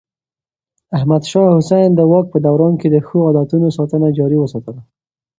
احمد شاه حسين د واک په دوران کې د ښو عادتونو ساتنه جاري وساتله.